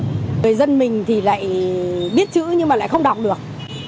người dân mình thì lại biết chữ nhưng mà lại không đọc được